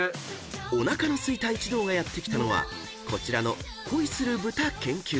［おなかのすいた一同がやって来たのはこちらの「恋する豚研究所」］